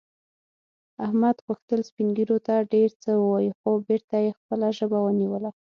احمد غوښتل سپین ږیرو ته ډېر څه ووايي، خو بېرته یې خپله ژبه ونیوله.